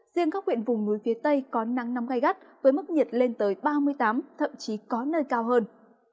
riêng các huyện vùng núi phía tây có nắng nóng gai gắt với mức nhiệt lên tới ba mươi tám thậm chí có nơi cao hơn